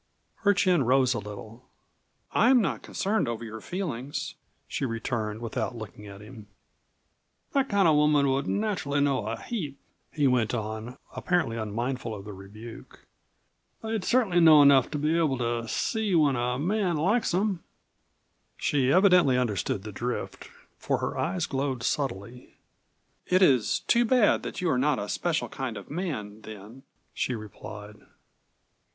Her chin rose a little. "I am not concerned over your feelings," she returned without looking at him. "That kind of a woman would naturally know a heap," he went on, apparently unmindful of the rebuke; "they'd cert'nly know enough to be able to see when a man likes them." She evidently understood the drift, for her eyes glowed subtly. "It is too bad that you are not a 'special kind of man,' then," she replied.